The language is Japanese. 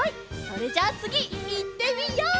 それじゃあつぎいってみよう！